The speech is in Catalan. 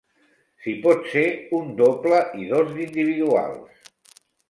Si pot ser un doble i dos d'individuals?